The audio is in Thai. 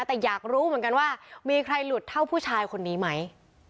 แต่อยากรู้ไงว่ามีใครลุดเหล่าผู้ชายคนนี้ไหม